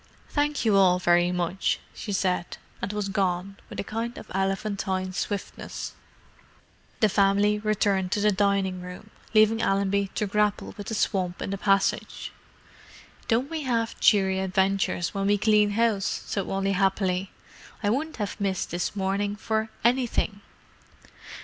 "Thank you all very much," she said—and was gone, with a kind of elephantine swiftness. The family returned to the dining room, leaving Allenby to grapple with the swamp in the passage. "Don't we have cheery adventures when we clean house!" said Wally happily. "I wouldn't have missed this morning for anything."